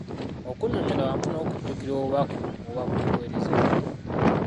Okunnyonnyola wamu n’okujjukira obubaka obuba bukuweerezeddwa.